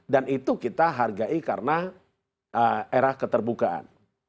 dan itu kita hargai karena era keterbukaan